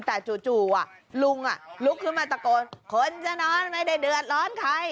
แต่จู่ลุงลุกขึ้นมาตะโกนคนจะนอนไม่ได้เดือดร้อนใคร